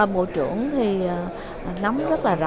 bộ trưởng thì nắm rất là rõ